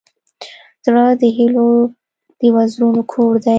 زړه د هيلو د وزرونو کور دی.